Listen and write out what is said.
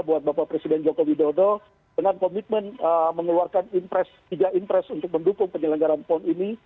buat bapak presiden joko widodo dengan komitmen mengeluarkan tiga impres untuk mendukung penyelenggaran pon ini